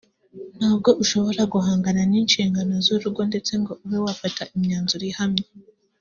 ntabwo ushobora guhangana n’inshingano z’urugo ndetse ngo ube wafata imyanzuro ihamye